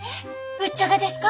うっちゃがですか？